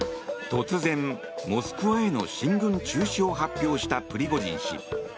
突然、モスクワへの進軍中止を発表したプリゴジン氏。